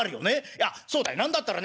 いやそうだいなんだったらね